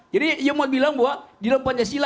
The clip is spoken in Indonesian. jadi dia mau bilang bahwa di dalam pancasila